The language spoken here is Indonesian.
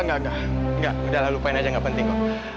nggak nggak nggak udah lah lupain aja nggak penting kok